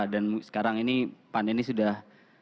dan sekarang ini pan ini sudah